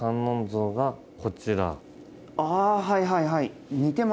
あはいはいはい。